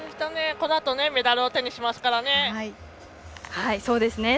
このあとメダルを手にしますからね。